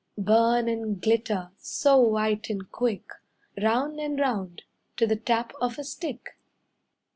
Burn and glitter, so white and quick, Round and round, to the tap of a stick."